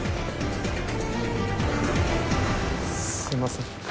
すいません。